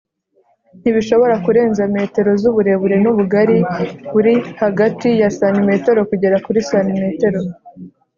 ntibishobora kurenza m z’uburebure n’ubugali buri hagati ya cm kugera kuri cm